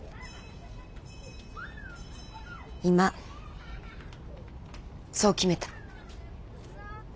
今そう決めた。